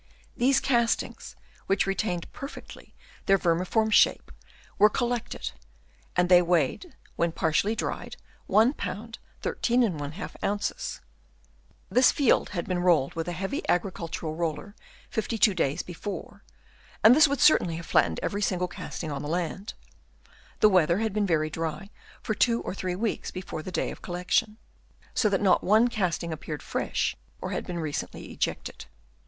These castings, which retained perfectly their vermiform shape, were col lected ; and they weighed when partially dried, 1 lb. 13^ oz. This field had been Chap. III. BROUGHT UP BY WORMS. 167 rolled with a heavy agricultural roller fifty two days before, and this would certainly have flattened every single casting on the land. The weather had been very dry for two or three weeks before the day of collection, so that not one casting appeared fresh or had been recently ejected.